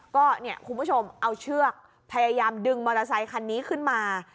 ก็เนี่ยคุณผู้ชมเอาเชือกพยายามดึงมอเตอร์ไซคันนี้ขึ้นมา